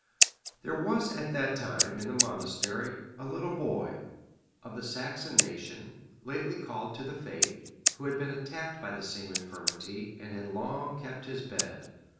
There was at that time in the monastery, a little boy, of the Saxon nation, lately called to the faith, who had been attacked by the same infirmity, and had long kept his bed.